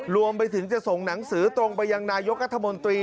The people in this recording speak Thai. รวมไปถึงจะส่งหนังสือตรงไปยังนายกรัฐมนตรี